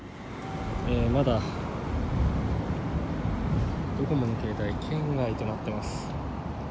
まだドコモの携帯、圏外となってます。